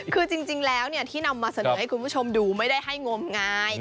คือจริงแล้วที่นำมาเสนอให้คุณผู้ชมดูไม่ได้ให้งมงาย